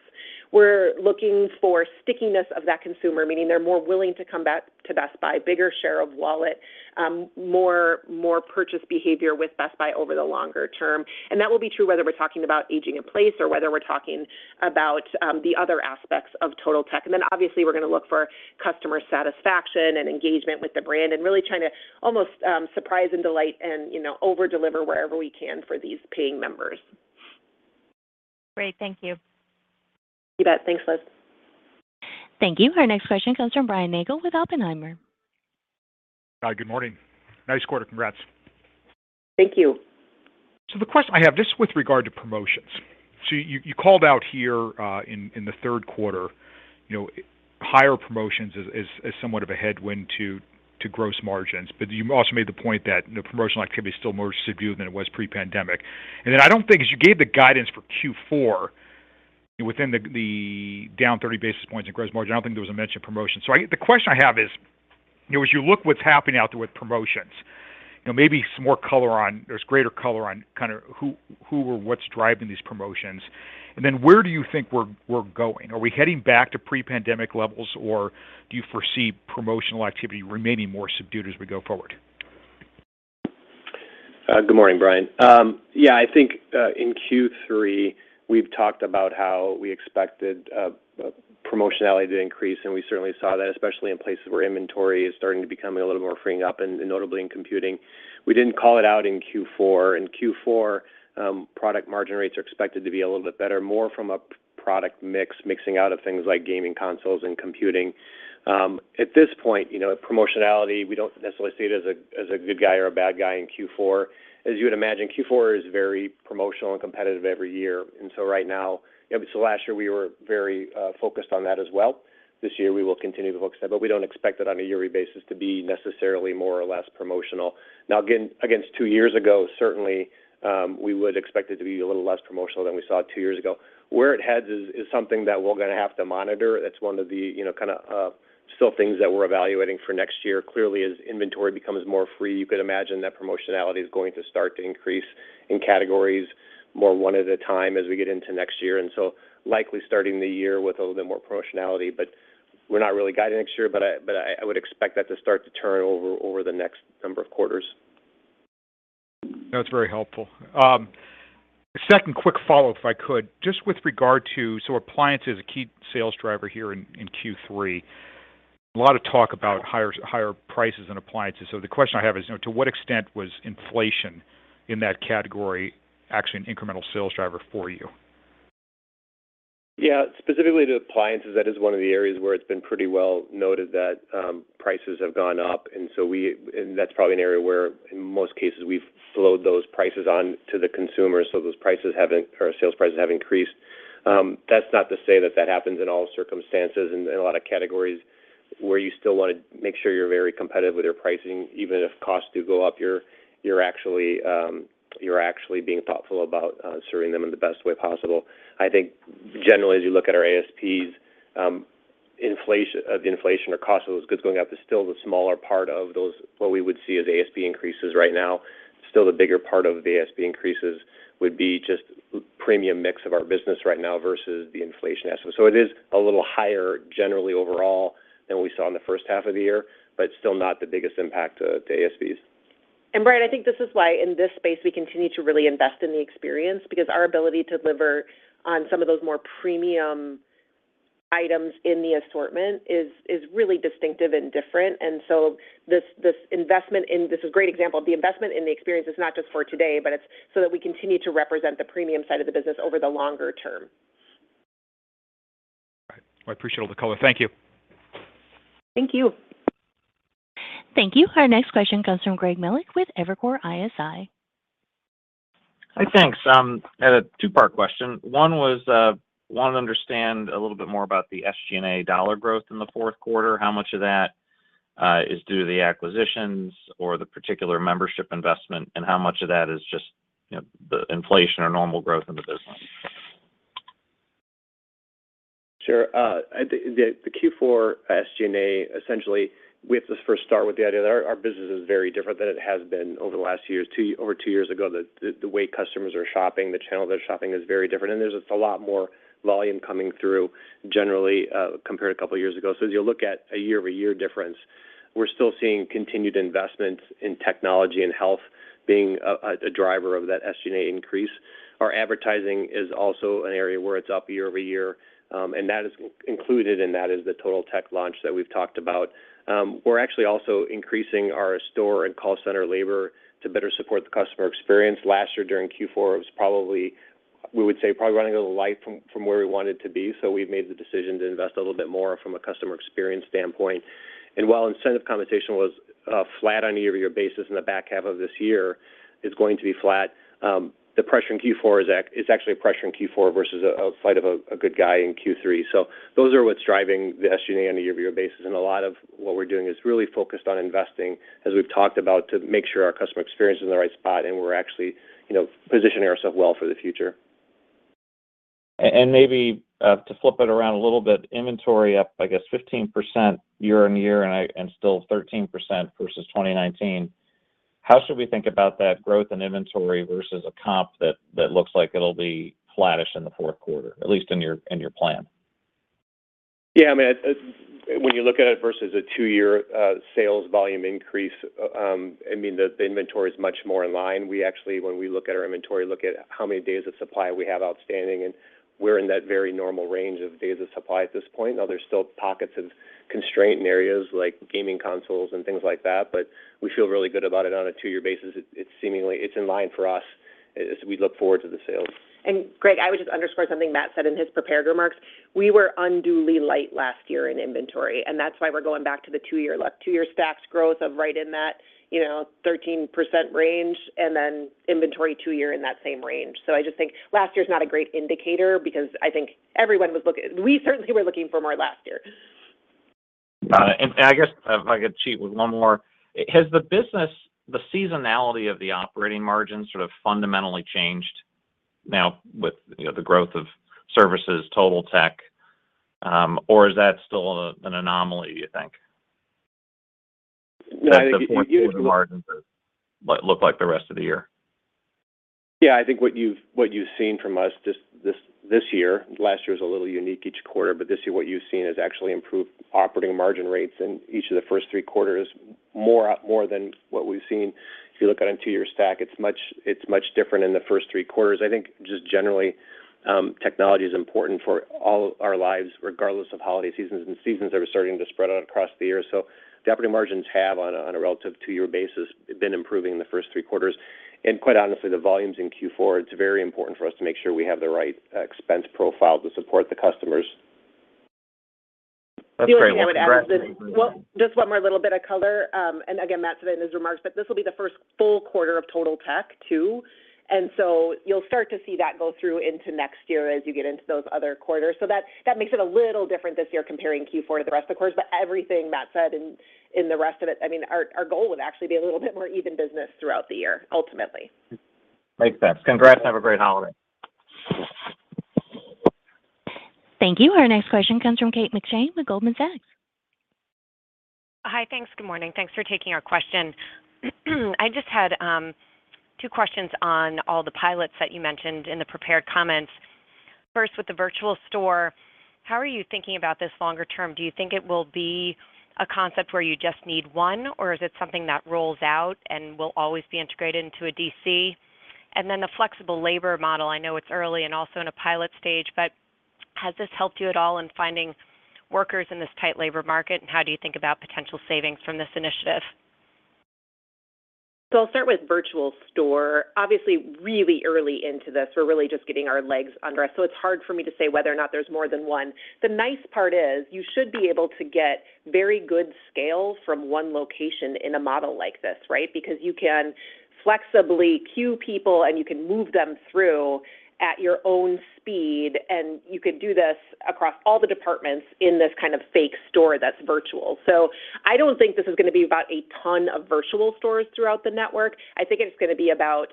We're looking for stickiness of that consumer, meaning they're more willing to come back to Best Buy, bigger share of wallet, more purchase behavior with Best Buy over the longer term. That will be true whether we're talking about aging in place or whether we're talking about the other aspects of Totaltech. Obviously, we're gonna look for customer satisfaction and engagement with the brand and really trying to almost surprise and delight and, you know, over-deliver wherever we can for these paying members. Great. Thank you. You bet. Thanks, Liz. Thank you. Our next question comes from Brian Nagel with Oppenheimer. Hi, good morning. Nice 1/4. Congrats. Thank you. The question I have, this is with regard to promotions. You called out here in the 1/3 1/4, you know, higher promotions as somewhat of a headwind to gross margins. You also made the point that the promotional activity is still more subdued than it was Pre-Pandemic. I don't think there was a mention of promotions because you gave the guidance for Q4 within the down 30 basis points in gross margin. The question I have is, you know, as you look what's happening out there with promotions, you know, maybe some more color on who or what's driving these promotions, and then where do you think we're going? Are we heading back to Pre-Pandemic levels, or do you foresee promotional activity remaining more subdued as we go forward? Good morning, Brian. Yeah, I think in Q3, we've talked about how we expected promotionality to increase, and we certainly saw that, especially in places where inventory is starting to become a little more freeing up and notably in computing. We didn't call it out in Q4. In Q4, product margin rates are expected to be a little bit better, more from a product mix, mixing out of things like gaming consoles and computing. At this point, you know, promotionality, we don't necessarily see it as a good guy or a bad guy in Q4. As you would imagine, Q4 is very promotional and competitive every year. Right now, you know, last year, we were very focused on that as well. This year, we will continue to focus on that, but we don't expect it on a yearly basis to be necessarily more or less promotional. Now again, against 2 years ago, certainly, we would expect it to be a little less promotional than we saw 2 years ago. Where it heads is something that we're gonna have to monitor. That's one of the, you know, kinda still things that we're evaluating for next year. Clearly, as inventory becomes more free, you could imagine that promotionality is going to start to increase in categories more one at a time as we get into next year. Likely starting the year with a little bit more promotionality. We're not really guiding next year, but I would expect that to start to turn over the next number of quarters. That's very helpful. A second quick Follow-Up, if I could. Just with regard to appliance is a key sales driver here in Q3. A lot of talk about higher prices in appliances. The question I have is, you know, to what extent was inflation in that category actually an incremental sales driver for you? Yeah. Specifically to appliances, that is one of the areas where it's been pretty well noted that prices have gone up. That's probably an area where in most cases we've flowed those prices on to the consumer, so those sales prices have increased. That's not to say that that happens in all circumstances. In a lot of categories where you still wanna make sure you're very competitive with your pricing, even if costs do go up, you're actually being thoughtful about serving them in the best way possible. I think generally, as you look at our ASPs, Inflation or cost of those goods going up is still the smaller part of those, what we would see as ASP increases right now. Still the bigger part of the ASP increases would be just premium mix of our business right now versus the inflation aspect. It is a little higher generally overall than what we saw in the first 1/2 of the year, but still not the biggest impact to ASPs. Brian, I think this is why in this space we continue to really invest in the experience because our ability to deliver on some of those more premium items in the assortment is really distinctive and different. This is a great example. The investment in the experience is not just for today, but it's so that we continue to represent the premium side of the business over the longer term. All right. Well, I appreciate all the color. Thank you. Thank you. Thank you. Our next question comes from Greg Melich with Evercore ISI. Hey, thanks. I had a 2-part question. One was, wanted to understand a little bit more about the SG&A dollar growth in the fourth 1/4. How much of that, is due to the acquisitions or the particular membership investment, and how much of that is just, you know, the inflation or normal growth in the business? Sure. I think the Q4 SG&A, essentially, we have to first start with the idea that our business is very different than it has been over the last 2 years. Over 2 years ago, the way customers are shopping, the channel they're shopping is very different, and there's just a lot more volume coming through generally, compared to a couple of years ago. As you look at a Year-Over-Year difference, we're still seeing continued investments in technology and health being a driver of that SG&A increase. Our advertising is also an area where it's up Year-Over-Year, and that is included in that is the Totaltech launch that we've talked about. We're actually also increasing our store and call center labor to better support the customer experience. Last year during Q4, it was probably, we would say, probably running a little light from where we wanted to be, so we've made the decision to invest a little bit more from a customer experience standpoint. While incentive compensation was flat on a Year-Over-Year basis in the back 1/2 of this year, it's going to be flat. The pressure in Q4 is actually a pressure in Q4 versus a tailwind in Q3. Those are what's driving the SG&A on a Year-Over-Year basis. A lot of what we're doing is really focused on investing, as we've talked about, to make sure our customer experience is in the right spot and we're actually, you know, positioning ourselves well for the future. Maybe to flip it around a little bit, inventory up, I guess, 15% Year-Over-Year and still 13% versus 2019. How should we think about that growth in inventory versus a comp that looks like it'll be flattish in the fourth 1/4, at least in your plan? Yeah. I mean. When you look at it versus a 2-year sales volume increase, I mean, the inventory is much more in line. We actually, when we look at our inventory, look at how many days of supply we have outstanding, and we're in that very normal range of days of supply at this point. Now, there's still pockets of constraint in areas like gaming consoles and things like that, but we feel really good about it on a 2-year basis. It's seemingly in line for us as we look forward to the sales. Greg, I would just underscore something Matt said in his prepared remarks. We were unduly light last year in inventory, and that's why we're going back to the 2-year stacked growth of right in that, you know, 13% range and then inventory 2-year in that same range. I just think last year's not a great indicator because I think everyone was looking for more last year. I guess if I could cheat with one more. Has the business, the seasonality of the operating margin sort of fundamentally changed now with, you know, the growth of services, Totaltech, or is that still an anomaly, you think? No, I think what you've What does the margins look like the rest of the year? Yeah. I think what you've seen from us this year, last year was a little unique each 1/4, but this year what you've seen is actually improved operating margin rates in each of the first 3 quarters, more than what we've seen. If you look at a 2-year stack, it's much different in the first 3 quarters. I think just generally, technology is important for all our lives, regardless of holiday seasons, and seasons are starting to spread out across the year. So adjusted margins have, on a relative 2-year basis, been improving in the first 3 quarters. Quite honestly, the volumes in Q4, it's very important for us to make sure we have the right expense profile to support the customers. That's great. Well, congrats. The only thing I would add, just, well, just one more little bit of color, and again, Matt said it in his remarks, but this will be the first full 1/4 of Totaltech too. You'll start to see that go through into next year as you get into those other quarters. That makes it a little different this year comparing Q4 to the rest of the quarters. Everything Matt said in the rest of it, I mean, our goal would actually be a little bit more even business throughout the year, ultimately. Makes sense. Congrats. Have a great holiday. Thank you. Our next question comes from Kate McShane with Goldman Sachs. Hi. Thanks. Good morning. Thanks for taking our question. I just had 2 questions on all the pilots that you mentioned in the prepared comments. First, with the virtual store, how are you thinking about this longer term? Do you think it will be a concept where you just need one, or is it something that rolls out and will always be integrated into a DC? The flexible labor model, I know it's early and also in a pilot stage, but has this helped you at all in finding workers in this tight labor market, and how do you think about potential savings from this initiative? I'll start with virtual store. Obviously, really early into this. We're really just getting our legs under us. It's hard for me to say whether or not there's more than one. The nice part is you should be able to get very good scale from one location in a model like this, right? Because you can flexibly queue people, and you can move them through at your own speed, and you can do this across all the departments in this kind of fake store that's virtual. I don't think this is gonna be about a ton of virtual stores throughout the network. I think it's gonna be about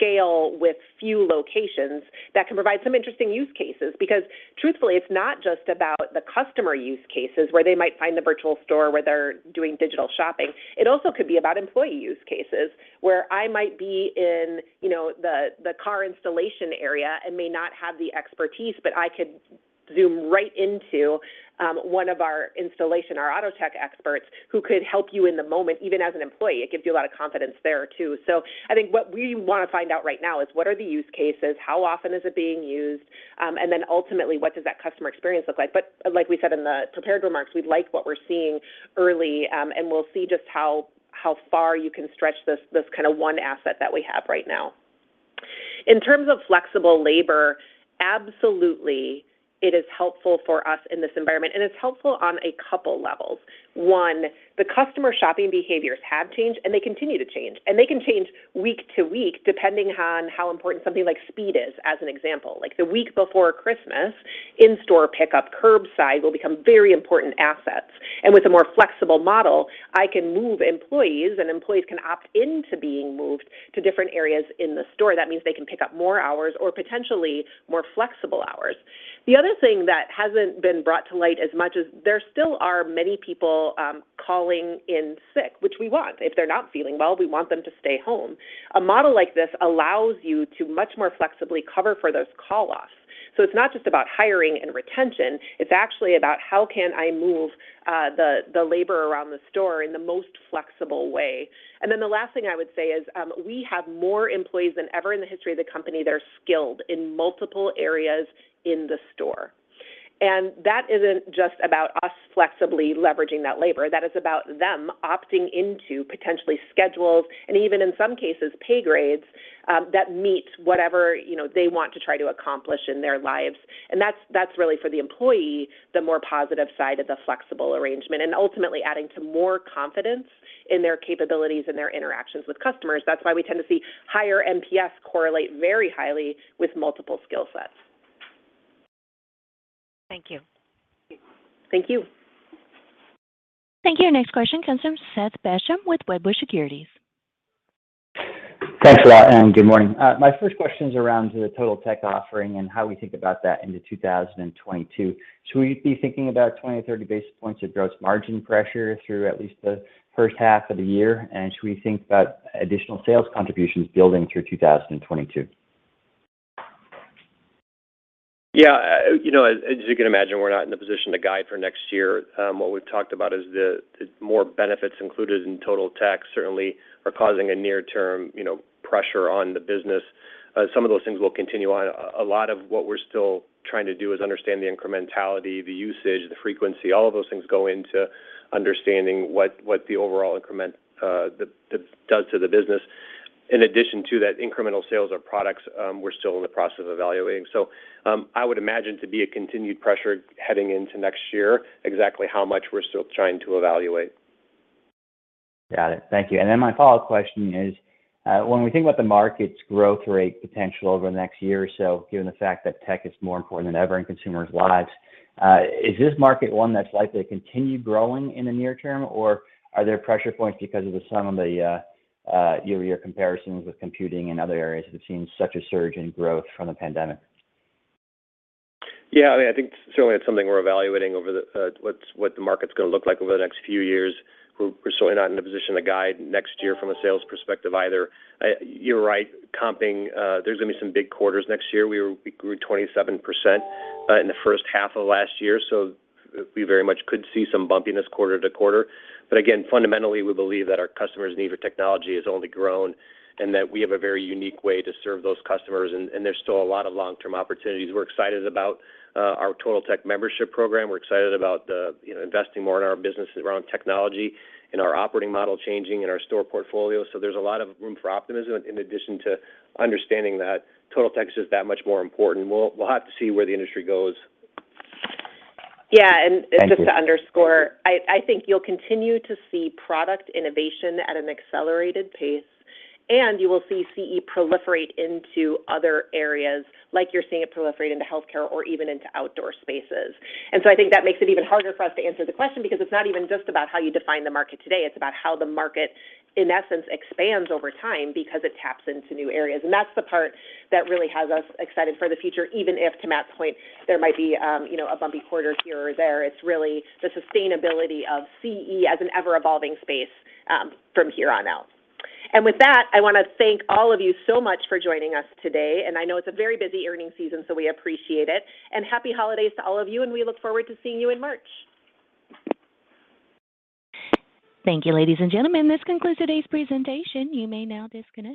scale with few locations that can provide some interesting use cases because truthfully, it's not just about the customer use cases where they might find the virtual store where they're doing digital shopping. It also could be about employee use cases where I might be in, you know, the car installation area and may not have the expertise, but I could zoom right into one of our installation our auto tech experts who could help you in the moment, even as an employee. It gives you a lot of confidence there, too. I think what we wanna find out right now is what are the use cases, how often is it being used, and then ultimately, what does that customer experience look like. Like we said in the prepared remarks, we like what we're seeing early, and we'll see just how far you can stretch this kind of one asset that we have right now. In terms of flexible labor, absolutely it is helpful for us in this environment, and it's helpful on a couple levels. One, the customer shopping behaviors have changed, and they continue to change, and they can change week to week, depending on how important something like speed is as an example. Like, the week before Christmas, In-Store pickup, curbside will become very important assets. With a more flexible model, I can move employees, and employees can opt into being moved to different areas in the store. That means they can pick up more hours or potentially more flexible hours. The other thing that hasn't been brought to light as much is there still are many people calling in sick, which we want. If they're not feeling well, we want them to stay home. A model like this allows you to much more flexibly cover for those call-offs. It's not just about hiring and retention. It's actually about how can I move the labor around the store in the most flexible way. Then the last thing I would say is we have more employees than ever in the history of the company that are skilled in multiple areas in the store, and that isn't just about us flexibly leveraging that labor. That is about them opting into potentially schedules and even in some cases pay grades that meet whatever, you know, they want to try to accomplish in their lives, and that's really for the employee the more positive side of the flexible arrangement and ultimately adding to more confidence in their capabilities and their interactions with customers. That's why we tend to see higher NPS correlate very highly with multiple skill sets. Thank you. Thank you. Thank you. Next question comes from Seth Basham with Wedbush Securities. Thanks a lot, and good morning. My first question's around the Totaltech offering and how we think about that into 2022. Should we be thinking about 20-30 basis points of gross margin pressure through at least the first 1/2 of the year, and should we think about additional sales contributions building through 2022? Yeah. You know, as you can imagine, we're not in the position to guide for next year. What we've talked about is the more benefits included in Totaltech certainly are causing a near-term, you know, pressure on the business. Some of those things will continue on. A lot of what we're still trying to do is understand the incrementality, the usage, the frequency. All of those things go into understanding what the overall increment does to the business. In addition to that, incremental sales of products, we're still in the process of evaluating. I would imagine to be a continued pressure heading into next year. Exactly how much we're still trying to evaluate. Got it. Thank you. My Follow-Up question is, when we think about the market's growth rate potential over the next year or so, given the fact that tech is more important than ever in consumers' lives, is this market one that's likely to continue growing in the near term, or are there pressure points because of some of the Year-Over-Year comparisons with computing and other areas that have seen such a surge in growth from the pandemic? I mean, I think certainly it's something we're evaluating what the market's gonna look like over the next few years. We're certainly not in a position to guide next year from a sales perspective either. You're right, comping, there's gonna be some big quarters next year. We grew 27% in the first 1/2 of last year, so we very much could see some bumpiness 1/4 to 1/4. Fundamentally, we believe that our customers' need for technology has only grown and that we have a very unique way to serve those customers and there's still a lot of Long-Term opportunities. We're excited about our Totaltech membership program. We're excited about investing more in our business around technology and our operating model changing and our store portfolio, so there's a lot of room for optimism in addition to understanding that Totaltech is that much more important. We'll have to see where the industry goes. Yeah, just- Thank you. To underscore, I think you'll continue to see product innovation at an accelerated pace, and you will see CE proliferate into other areas like you're seeing it proliferate into healthcare or even into outdoor spaces. I think that makes it even harder for us to answer the question because it's not even just about how you define the market today. It's about how the market, in essence, expands over time because it taps into new areas, and that's the part that really has us excited for the future, even if, to Matt's point, there might be, you know, a bumpy 1/4 here or there. It's really the sustainability of CE as an ever-evolving space, from here on out. With that, I wanna thank all of you so much for joining us today, and I know it's a very busy earnings season, so we appreciate it. Happy holidays to all of you, and we look forward to seeing you in March. Thank you, ladies and gentlemen. This concludes today's presentation. You may now disconnect.